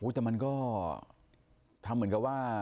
แต่มันก็ทำเหมือนกับว่า